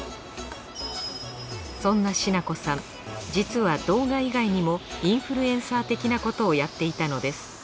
そんなしなこさん実は動画以外にもインフルエンサー的なことをやっていたのです